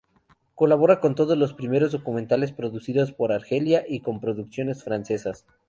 Colabora con todos los primeros documentales producidos por Argelia y con producciones francesas.